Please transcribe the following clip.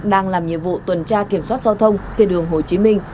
đang làm nhiệm vụ tuần tra kiểm soát giao thông trên đường hồ chí minh